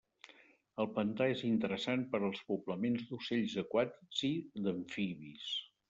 El pantà és interessant per als poblaments d'ocells aquàtics i d'amfibis.